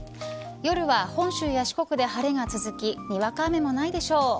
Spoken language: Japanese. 夜は本州や四国で晴れが続きにわか雨もないでしょう。